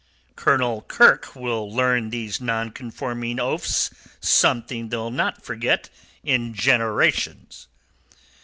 Colonel Kirke'll learn these nonconforming oafs something they'll not forget in generations."